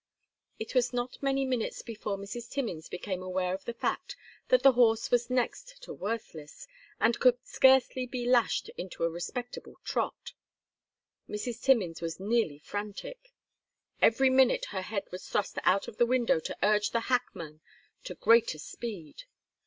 It was not many minutes before Mrs. Timmins became aware of the fact that the horse was next to worthless, and could scarcely be lashed into a respectable trot. Mrs. Timmins was nearly frantic. Every minute her head was thrust out of the window to urge the hackman to greater speed.